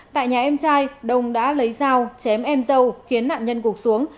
tại nhà em trai đông đã lấy dao chém em dâu khiến nạn nhân gục xuống